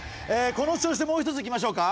この調子でもう一ついきましょうか。